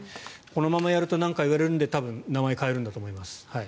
このままやると何か言われるので名前を変えるんだと思います。